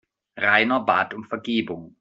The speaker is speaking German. Rainer bat um Vergebung.